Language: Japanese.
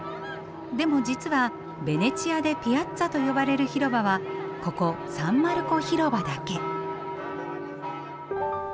でも実はベネチアでピアッツァと呼ばれる広場はここサン・マルコ広場だけ。